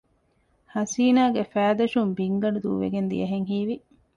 ހަސީނާގެ ފައިދަށުން ބިންގަނޑު ދޫވެގެން ދިޔަހެން ހީވި